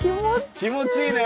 気持ちいいね！